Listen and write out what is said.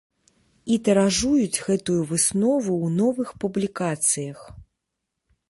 І тыражуюць гэтую выснову ў новых публікацыях.